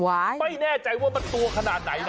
ไม่แน่ใจว่ามันตัวขนาดไหนนะ